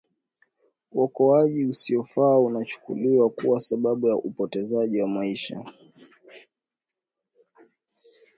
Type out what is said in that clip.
uokoaji usiofaa unachukuliwa kuwa sababu ya upotezaji wa maisha